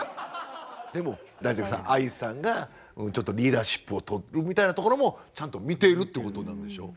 でも大作さんＩさんがちょっとリーダーシップをとるみたいなところもちゃんと見てるってことなんでしょ。